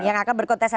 yang akan berkontesan